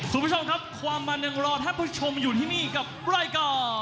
คุณผู้ชมครับความมันยังรอท่านผู้ชมอยู่ที่นี่กับรายการ